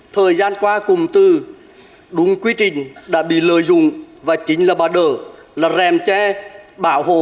thời gian qua cùng từ đúng quy trình đã bị lợi dụng và chính là bà đỡ là rèm che bảo hồ